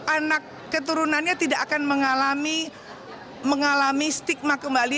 anak keturunannya tidak akan mengalami stigma kembali